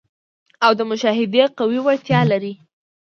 او د مشاهدې قوي وړتیا ولري.